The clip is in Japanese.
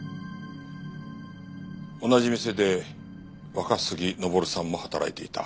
同じ店で若杉登さんも働いていた。